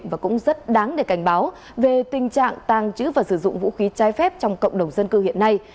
và cũng rất đáng để cảnh báo về tình trạng tàng trữ và sử dụng vũ khí trái phép trong cộng đồng dân cư hiện nay